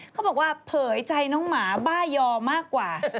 เขาบอกว่าเผยใจน้องหมาบ้ายอมากกว่า